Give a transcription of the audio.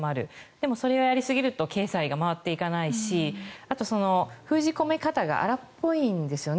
でも、それをやりすぎると経済が回っていかないしあと、封じ込め方が荒っぽいんですよね。